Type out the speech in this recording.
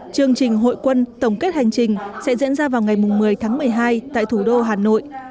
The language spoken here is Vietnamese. chương trình hội quân tổng kết hành trình sẽ diễn ra vào ngày một mươi tháng một mươi hai tại thủ đô hà nội